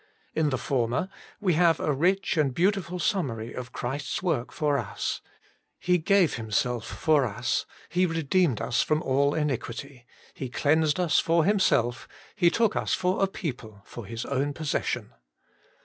In the former we have a rich and beautiful summary of Christ's work for us : He gave Himself for Its, He redeemed us from all iniquity. He cleansed ns for Himself, He took us for a people, for His own possession.